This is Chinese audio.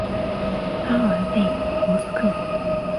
阿尔勒博斯克。